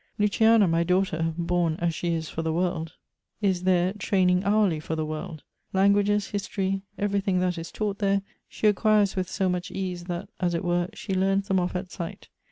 Luciana, my daughter, born as she is for the world, is there training hourly for the world ; languages, history, everything that is taught there, she acquires with so much ease that, as it were, she learns them off at sight.